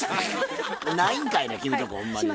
ないんかいな君とこほんまにもう。